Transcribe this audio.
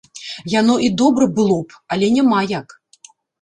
Яно і добра было б, але няма як.